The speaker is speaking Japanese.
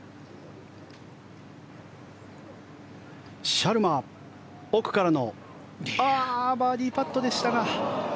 シャルマ、奥からのバーディーパットでしたが。